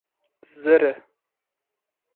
Zer e.